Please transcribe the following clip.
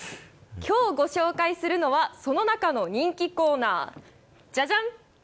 きょうご紹介するのは、その中の人気コーナー、じゃじゃん！